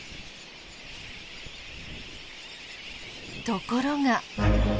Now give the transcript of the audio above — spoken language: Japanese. ところが。